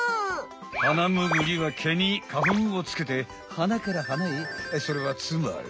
ハナムグリは毛に花ふんをつけて花から花へそれはつまり。